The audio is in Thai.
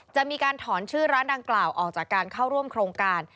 จะมีการถอนชื่อร้านดังกล่าวออกจากการเข้าร่วมโครงการ